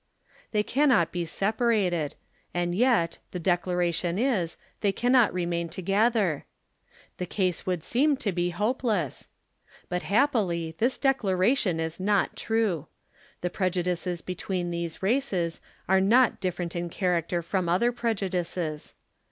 They cannot be separated, and yet, the declaration is, they cannot remain together. The case would seem to be hope ess. But happily this declaration is not true. The prej udices between these races are not ditferent in character from other prejudices.